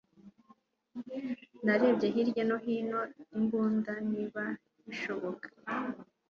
Narebye hirya no hino imbunda niba bishoboka.